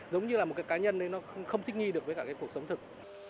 giống như là một cái cá nhân nó không thích nghi được với cả cái cuộc sống thực